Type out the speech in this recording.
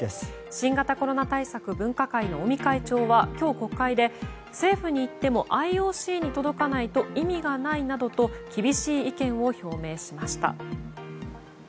新型コロナ対策分科会の尾身会長は今日国会で政府に言ってもＩＯＣに届かないと意味がないなどと厳しい意見を表明しました。